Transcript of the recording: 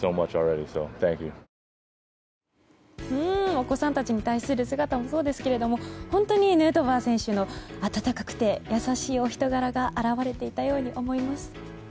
お子さんたちに対する姿もそうですけど本当にヌートバー選手の温かくて優しいお人柄が表れていたように思います。